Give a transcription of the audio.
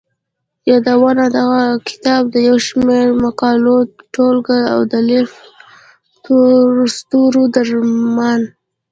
يادونه دغه کتاب د يو شمېر مقالو ټولګه او د لېف تولستوري د رومان.